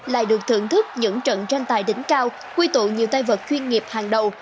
lại được thưởng thức những trận tranh tài đỉnh cao quy tụ nhiều tay vật chuyên nghiệp hàng đầu